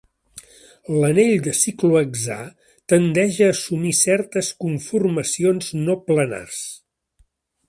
L'anell de ciclohexà tendeix a assumir certes conformacions no planars.